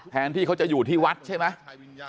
ที่เขาจะอยู่ที่วัดใช่ไหม